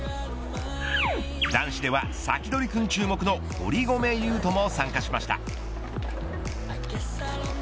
男子ではサキドリくん注目の堀米雄斗も参加しました。